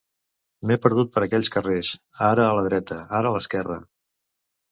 M'he perdut per aquells carrers, ara a la dreta, ara a l'esquerra.